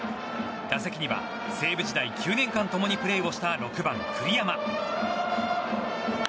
打席には西武時代９年間共にプレーをした６番、栗山。